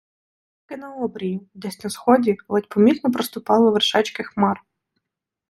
Тільки на обрії, десь на сході, ледь помітно проступали вершечки хмар.